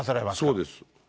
そうです。